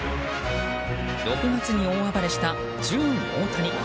６月に大暴れしたジューン・オオタニ。